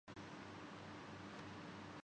افسر یہ کہہ کر فون پر